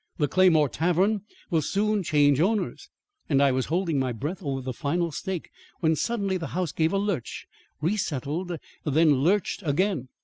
"The Claymore Tavern will soon change owners;" and I was holding my breath over the final stake when suddenly the house gave a lurch, resettled, then lurched again.